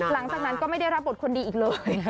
หลังจากนั้นก็ไม่ได้รับบทคนดีอีกเลย